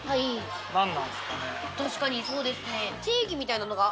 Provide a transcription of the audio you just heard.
確かにそうですね。